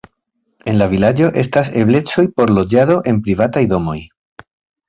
En la vilaĝo estas eblecoj por loĝado en privataj domoj.